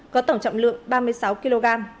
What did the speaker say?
có tổng trọng lượng ba mươi sáu kg